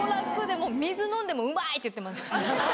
もう水飲んでも「うまい」って言ってます。